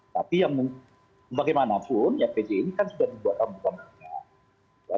tapi yang bagaimanapun ya pj ini kan sudah dibuat terbuka